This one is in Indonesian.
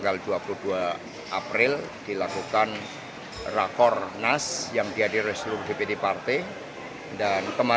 dan kemarin dilakukan rakor yang diadir seluruh gpt partai